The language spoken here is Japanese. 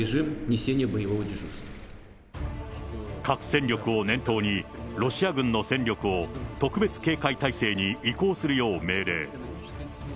核戦力を念頭に、ロシア軍の戦力を特別警戒態勢に移行するよう命令。